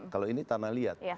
kalau ini tanah liat